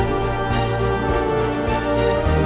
bertahan bertahan sayang